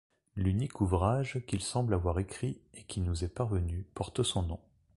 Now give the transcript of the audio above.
L'unique ouvrage qu'il semble avoir écrit et qui nous est parvenu porte son nom.